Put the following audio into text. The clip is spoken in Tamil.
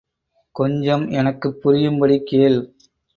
கொஞ்சம் எனக்குப் புரியும்படி கேள்.